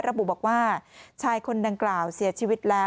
ระบุบอกว่าชายคนดังกล่าวเสียชีวิตแล้ว